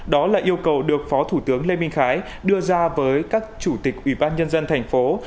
đó là yêu cầu được phó thủ tướng lê minh khái đưa ra với các chủ tịch ủy ban nhân dân thành phố